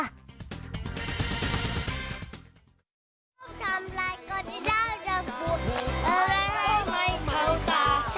สวัสดีค่ะ